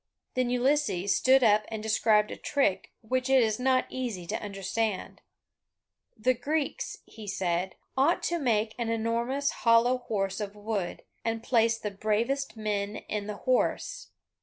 Then Ulysses stood up and described a trick which it is not easy to understand. The Greeks, he said, ought to make an enormous hollow horse of wood, and place the bravest men in the horse.